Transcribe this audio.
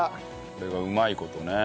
これがうまい事ね。